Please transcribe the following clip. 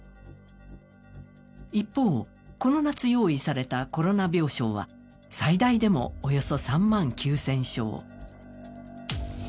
一方、この夏、用意されたコロナ病床は最大でもおよそ３万９０００床。